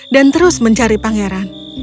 dan terus mencari pangeran